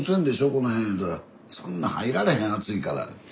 この辺言うたらそんな入られへん熱いからって。